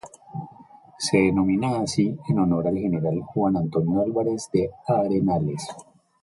Se denomina así en honor al General Juan Antonio Álvarez de Arenales.